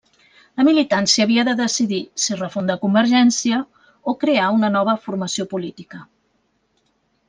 La militància havia de decidir si refundar Convergència o crear una nova formació política.